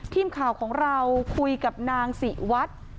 ทีมข่าวของเราคุยกับนางศรีวัฒน์